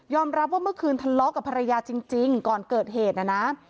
รับว่าเมื่อคืนทะเลาะกับภรรยาจริงก่อนเกิดเหตุนะนะ